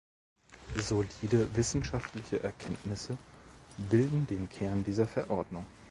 Solide wissenschaftliche Erkenntnisse bilden den Kern dieser Verordnung.